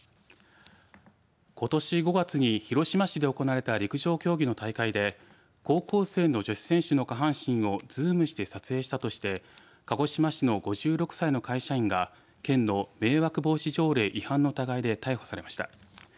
ことし５月に広島市で行われた陸上競技の大会で高校生の女子選手の下半身をズームして撮影したとして鹿児島市の５６歳の会社員が県の迷惑防止条例違反の疑いで逮捕されました。